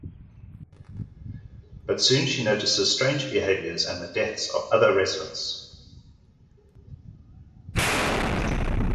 But soon she notices strange behaviors and the deaths of other residents.